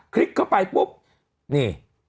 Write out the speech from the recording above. ลิกเข้าไปปุ๊บนี่